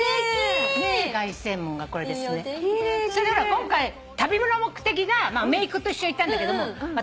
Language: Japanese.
今回旅の目的がめいっ子と一緒に行ったんだけど私